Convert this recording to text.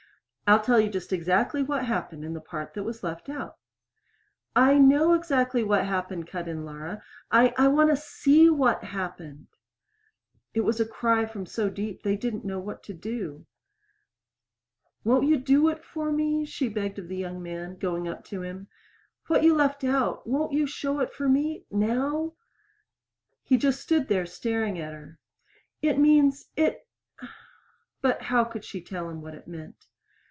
"I'll tell you just exactly what happened in the part that was left out." "I know exactly what happened," cut in Laura. "I I want to see what happened." It was a cry from so deep that they didn't know what to do. "Won't you do it for me?" she begged of the young man, going up to him. "What you left out won't you show it for me now?" He just stood there staring at her. "It means ! It " But how could she tell them what it meant?